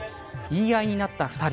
言い合いになった２人。